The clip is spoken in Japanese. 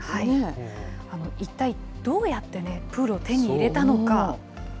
一体どうやってプールを手に入れたのか。